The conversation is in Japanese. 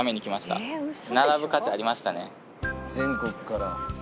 全国から。